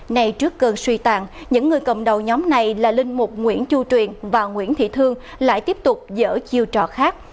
này trước cơn suy tàn những người cầm đầu nhóm này là linh mục nguyễn chu truyền và nguyễn thị thương lại tiếp tục dở chiêu trò khác